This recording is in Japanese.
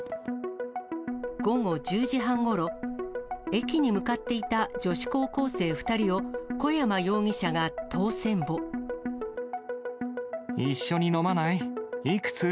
午後１０時半ごろ、駅に向かっていた女子高校生２人を、一緒に飲まない？